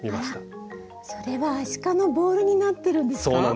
あらそれはアシカのボールになってるんですか？